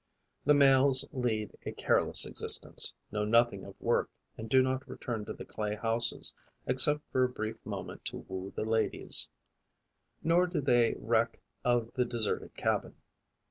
The males lead a careless existence, know nothing of work and do not return to the clay houses except for a brief moment to woo the ladies; nor do they reck of the deserted cabin.